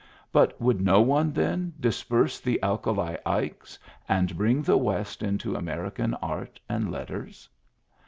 But would no one, then, disperse the Alkali Ikes and bring the West into American art and letters